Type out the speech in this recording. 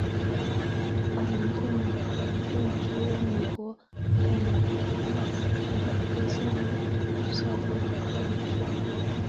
法明顿镇区为美国堪萨斯州斯塔福德县辖下的镇区。